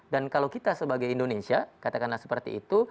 dan kalau kita sebagai indonesia katakanlah seperti itu